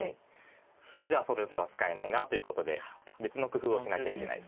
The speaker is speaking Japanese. じゃあその手は使えないなということで別の工夫をしなきゃいけないです。